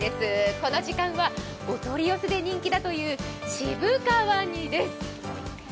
この時間はお取り寄せで人気だという渋皮煮です。